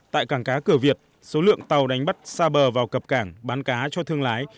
tại cảng cá cửa việt số lượng tàu đánh bắt xa bờ vào cập cảng bán cá cho thương lái